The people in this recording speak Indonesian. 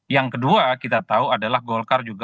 yang kedua kita tahu adalah golkar juga